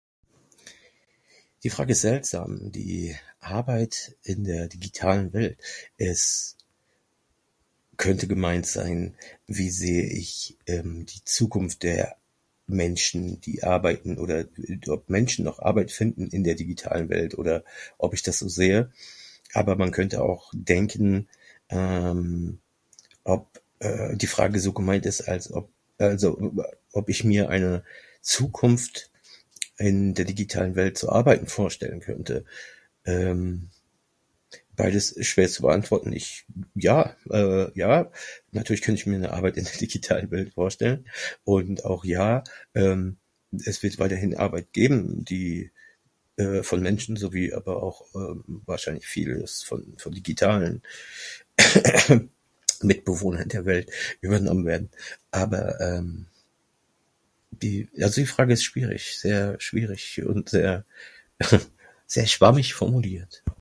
"Die Frage ist seltsam, die ""Arbeit in der digitalen Welt"" Es könnte gemeint sein, wie sehe ich die Zukunft der Menschen die Arbeiten oder ob Menschen noch Arbeit finden in der digitalen Welt. Oder, ob ich das so sehe, aber man könnte ja auch denken, ehm, ob äh, die Frage so gemeint ist als ob, also ob ich mir eine Zukunft in der digitalen Welt zu arbeiten vorstellen könnte. Ehm. Beides ist schwer zu beantworten, ich. Ja eh Ja, natürlich könnt ich mir eine Arbeit in der digitalen Welt vorstellen. Und auch Ja ehm, es wird weiterhin Arbeit geben, die eh von Menschen, sowie aber auch vieles von, von digitalen Mitbewohnern der Welt. Aber die Frage ist schwierig, sehr schwierig und sehr schwammig formuliert."